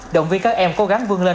động viên các em cố gắng vươn lên